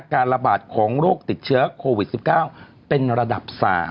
การระบาดของโรคติดเชื้อโควิด๑๙เป็นระดับ๓